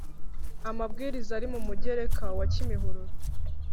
amabwiriza ari mu mugereka wa kimihurura